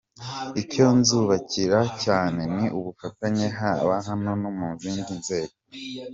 Icyo nzubakiraho cyane ni ubufatanye haba hano no mu zindi nzego.”